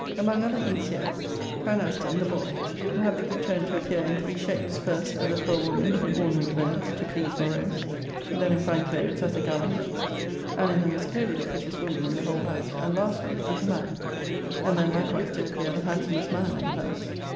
Among other things here, Kinaston, the boy; had the good turn to appear in three shapes: first, as a poor woman in ordinary clothes, to please Morose; then in fine clothes, as a gallant, and in them was clearly the prettiest woman in the whole house, and lastly, as a man; and then likewise did appear the handsomest man in the house.